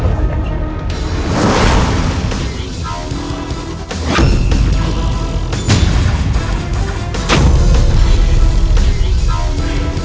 asalamualaikum warahmatullahi wabarakatuh